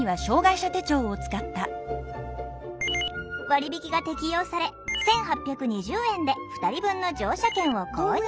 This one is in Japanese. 割引が適用され１，８２０円で２人分の乗車券を購入。